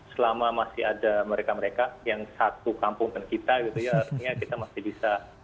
selama masih ada mereka mereka yang satu kampung dengan kita artinya kita masih bisa